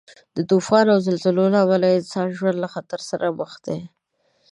د طوفانو او زلزلې له امله د انسانانو ژوند له خطر سره مخ دی.